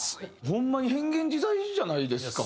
ホンマに変幻自在じゃないですか。